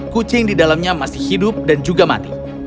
kucing di dalamnya masih hidup dan juga mati